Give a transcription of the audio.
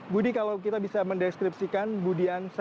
budi kalau kita bisa mendeskripsikan budi hansa